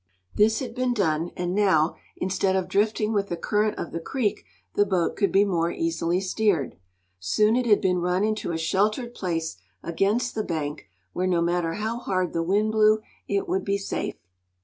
This had been done, and now, instead of drifting with the current of the creek, the boat could be more easily steered. Soon it had been run into a sheltered place, against the bank, where, no matter how hard the wind blew, it would be safe.